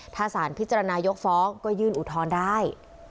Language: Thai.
ถ้าสารพิจารณายกฟ้องก็ยื่นอุทธรณ์ได้